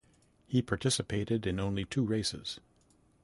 He participated in only two races.